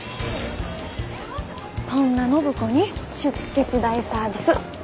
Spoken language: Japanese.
そんな暢子に出血大サービス。